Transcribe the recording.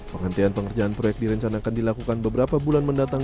penghentian pengerjaan proyek direncanakan dilakukan beberapa bulan mendatang